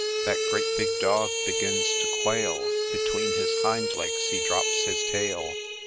— That great big dog begins to quail, Between his hind legs he drops his tail.